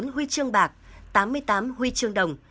một trăm một mươi bốn huy chương bạc tám mươi tám huy chương đồng